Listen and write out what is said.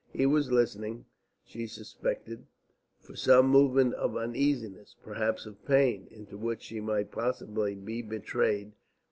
He was listening, she suspected, for some movement of uneasiness, perhaps of pain, into which she might possibly be betrayed.